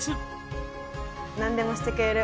なんでもしてくれる。